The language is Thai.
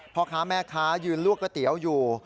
พ่อค้าแม่ค้ายืนลวกก๋วยเตี๋ยวอยู่